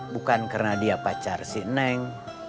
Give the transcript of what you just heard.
bukan karena dia pacar si neng